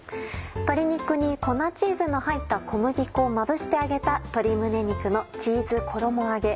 鶏肉に粉チーズの入った小麦粉をまぶして揚げた鶏胸肉のチーズ衣揚げ。